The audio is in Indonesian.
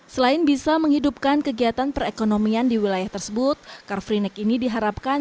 selain bisa menghidupkan kegiatan perekonomian di wilayah tersebut car free night ini diharapkan